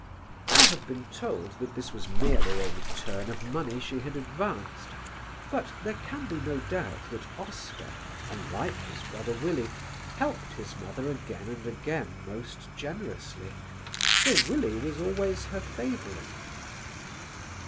I have been told that this was merely a return of money she had advanced; but there can be no doubt that Oscar, unlike his brother Willie, helped his mother again and again most generously, though Willie was always her favourite.